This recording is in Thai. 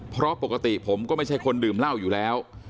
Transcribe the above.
เพราะปกติผมก็ไม่ใช่คนดื่มเหล้าอยู่แล้ว